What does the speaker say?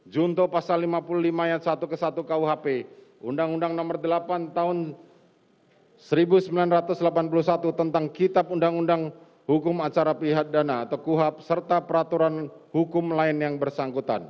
junto pasal lima puluh lima ayat satu kuhp undang undang nomor delapan tahun seribu sembilan ratus delapan puluh satu tentang kitab undang undang hukum acara pihak dana